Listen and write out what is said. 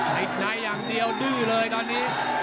ติดในอย่างเดียวดื้อเลยตอนนี้